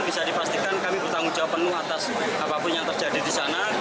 bisa dipastikan kami bertanggung jawab penuh atas apapun yang terjadi di sana